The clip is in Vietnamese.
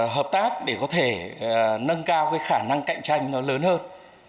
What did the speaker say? hợp tác để có thể nâng cao cái khả năng cạnh tranh nó lớn hơn